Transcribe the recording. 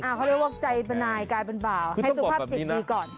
เขาเรียกว่าใจเป็นนายกลายเป็นบ่าวให้สุภาพจิตดีก่อน